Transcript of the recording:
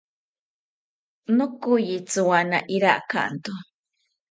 Nokoyi tziwana irakanto